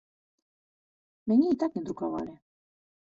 Мяне і так не друкавалі.